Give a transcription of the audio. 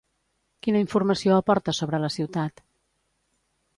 Quina informació aporta sobre la ciutat?